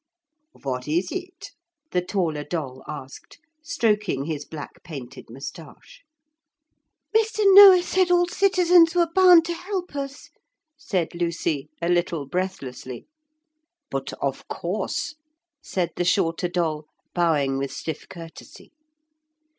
'What is it?' the taller doll asked, stroking his black painted moustache. 'Mr. Noah said all citizens were bound to help us,' said Lucy a little breathlessly. 'But of course,' said the shorter doll, bowing with stiff courtesy.